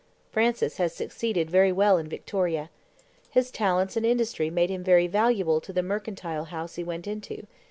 Francis has succeeded very well in Victoria. His talents and industry made him very valuable to the mercantile house he went into.